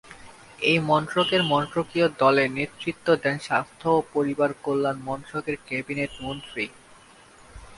এই মন্ত্রকের মন্ত্রকীয় দলের নেতৃত্ব দেন স্বাস্থ্য ও পরিবার কল্যাণ মন্ত্রকের ক্যাবিনেট মন্ত্রী।